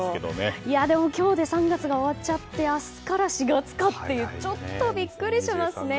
でも、今日で３月が終わっちゃって明日から４月かと思うとちょっとビックリしますね。